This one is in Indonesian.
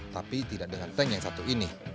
tapi tidak dengan tank yang satu ini